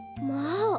まあ！